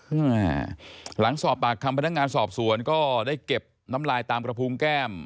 อ่าหลังสอบปากคำพนักงานสอบสวนก็ได้เก็บน้ำลายตามกระพุงแก้ม